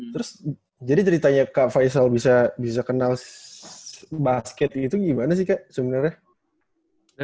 terus jadi ceritanya kak faisal bisa kenal basket itu gimana sih kak sebenarnya